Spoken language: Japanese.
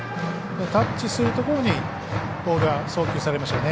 タッチするところにボールは送球されましたよね。